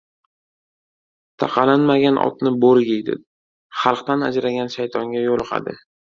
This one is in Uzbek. • Taqalanmagan otni bo‘ri yeydi, xalqdan ajragan shaytonga yo‘liqadi.